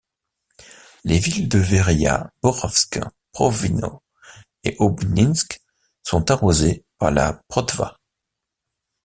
Les villes de Vereïa, Borovsk, Protvino et Obninsk sont arrosées par la Protva.